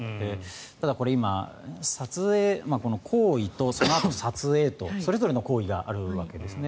ただ、これ、今行為とそのあとの撮影とそれぞれの行為があるわけですね。